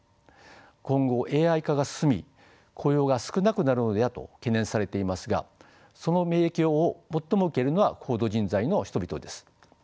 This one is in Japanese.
今後ＡＩ化が進み雇用が少なくなるのではと懸念されていますがその影響を最も受けるのは高度人材の人々です。